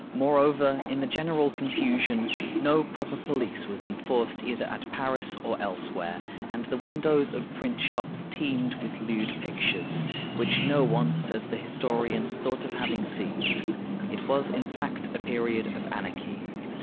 Moreover, in the general confusion, no proper police was enforced either at Paris or elsewhere, and the windows of print shops teemed with lewd pictures, which no one, says the historian, thought of having seized. It was, in fact, a period of anarchy.